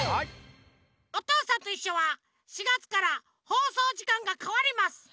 「おとうさんといっしょ」は４がつからほうそうじかんがかわります。